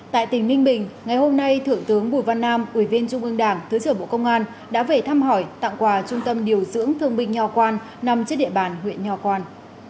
tại tỉnh minh bình ngày hôm nay thượng tướng bùi văn nam ủy viên trung ương đảng thứ trưởng bộ công an đã về tham hỏi tặng quà trung tâm điều dưỡng thương binh nhòa quan nằm trên địa bàn huyện nhòa quan